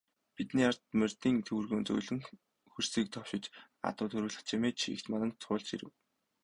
Бидний ард морьдын төвөргөөн зөөлөн хөрсийг товшиж, адуу тургилах чимээ чийгт мананг цуулж ирэв.